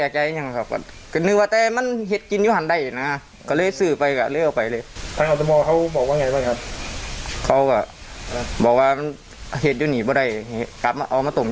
ใช่ครับก็ไม่ได้แปลกใจนะครับเค้าเลยสื่อไปนะแล้วเอาไปเลย